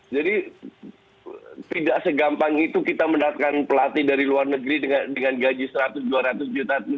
jadi tidak segampang itu kita mendatangkan pelatih dari luar negeri dengan itu